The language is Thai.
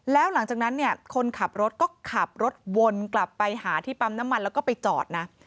แล้วหลังจากนั้นเนี่ยคนขับรถก็ขับรถวนกลับไปหาที่ปั๊มน้ำมันแล้วก็ไปจอดนะ